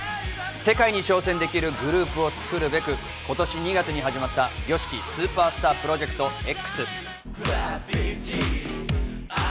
世界に挑戦できるグループを作るべく、今年２月に始まった「ＹＯＳＨＩＫＩＳＵＰＥＲＳＴＡＲＰＲＯＪＥＣＴＸ」。